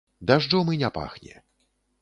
Дажджом і не пахне.